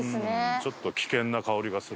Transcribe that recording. ちょっと危険な香りがする。